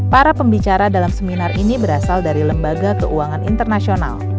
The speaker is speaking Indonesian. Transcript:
para pembicara dalam seminar ini berasal dari lembaga keuangan internasional